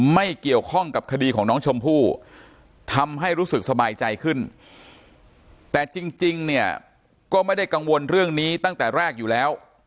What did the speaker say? ไม่เกี่ยวข้องกับคดีของน้องชมพู่ทำให้รู้สึกสบายใจขึ้นแต่จริงเนี่ยก็ไม่ได้กังวลเรื่องนี้ตั้งแต่แรกอยู่แล้ว